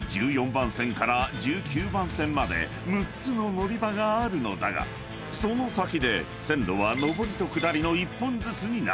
番線から１９番線まで６つの乗り場があるのだがその先で線路は上りと下りの１本ずつになる］